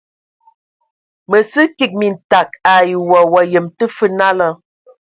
Mə sə kig mintag ai wa, wa yəm tə fə nala.